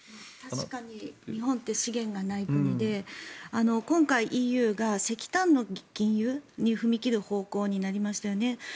確かに日本って資源がない国で今回、ＥＵが石炭の禁輸に踏み切る方向になりましたよね。